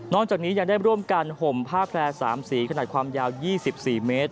จากนี้ยังได้ร่วมกันห่มผ้าแพร่๓สีขนาดความยาว๒๔เมตร